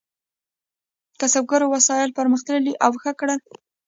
کسبګرو وسایل پرمختللي او ښه کړل.